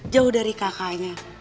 jauh dari kakaknya